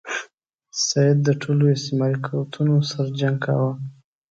سید د ټولو استعماري قوتونو سره جنګ کاوه.